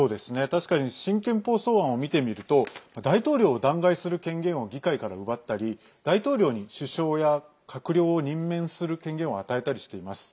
確かに新憲法草案を見てみると大統領を弾劾する権限を議会から奪ったり大統領に首相や閣僚を任命する権限を与えたりしています。